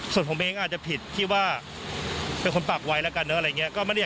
ส่วนผมเองอาจจะผิดที่ว่าเป็นคนฝากไว้แล้วกันเนอะอะไรอย่างนี้